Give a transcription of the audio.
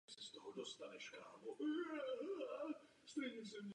Do Británie odcestovala s matkou a starším bratrem ve svých čtyřech letech.